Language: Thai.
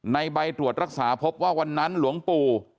ในใบตรวจรักษาพบว่าวันนั้นหลวงปู่